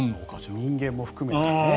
人間も含めてね。